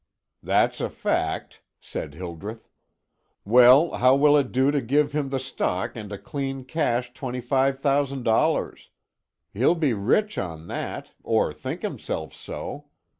"That's a fact," said Hildreth; "well, how will it do to give him the stock and a clean cash twenty five thousand dollars? He'll be rich on that, or think himself so.